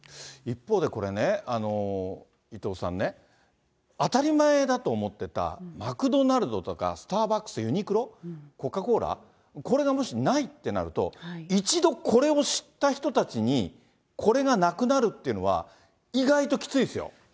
一方でこれね、伊藤さんね、当たり前だと思ってたマクドナルドとか、スターバックス、ユニクロ、コカ・コーラ、これがもしないっていうと、一度これを知った人たちに、これがなくなるっていうのは、意外ときついですよ。